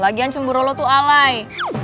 lagian cemburu lu tuh alay